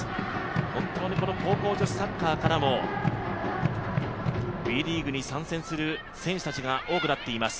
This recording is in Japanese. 本当に高校女子サッカーからもＷＥリーグに参加する選手が多くなっています。